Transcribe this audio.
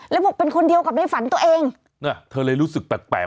แล้วบอกเป็นคนเดียวกับในฝันตัวเองน่ะเธอเลยรู้สึกแปลก